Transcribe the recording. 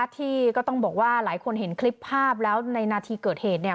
ที่ก็ต้องบอกว่าหลายคนเห็นคลิปภาพแล้วในนาทีเกิดเหตุ